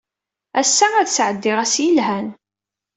Ass-a, ad sɛeddiɣ ass yelhan.